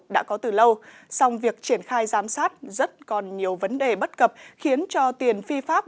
đã có từ lâu song việc triển khai giám sát rất còn nhiều vấn đề bất cập khiến cho tiền phi pháp